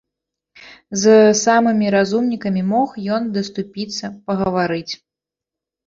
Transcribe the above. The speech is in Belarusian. З самымі разумнікамі мог ён даступіцца пагаварыць.